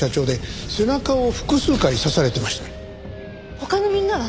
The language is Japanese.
他のみんなは？